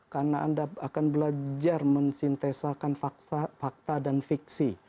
karena anda akan belajar mensintesakan fakta dan fiksi